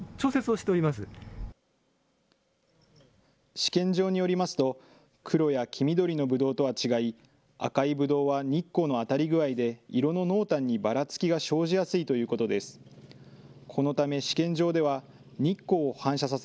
試験場によりますと、黒や黄緑のブドウとは違い、赤いブドウは日光の当たり具合で色の濃淡にばらつきが生じやすいということです。